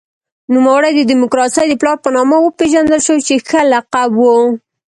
نوموړی د دموکراسۍ د پلار په نامه وپېژندل شو چې ښه لقب و.